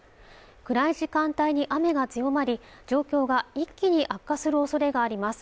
暗い時間帯に雨が強まり状況が一気に悪化するおそれがあります